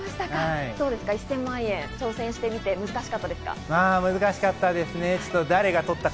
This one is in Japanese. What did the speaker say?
１０００万円、挑戦してみていかがでしたか？